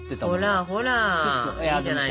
ほらほらいいじゃないの。